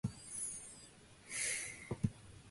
His maternal aunt failed to disturb him in his meditation.